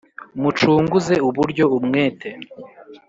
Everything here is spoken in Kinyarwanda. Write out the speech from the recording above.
mucunguze uburyo umwete